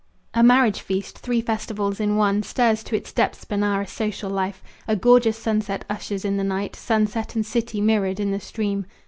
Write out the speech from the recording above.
A marriage feast, three festivals in one, Stirs to its depths Benares' social life. A gorgeous sunset ushers in the night, Sunset and city mirrored in the stream.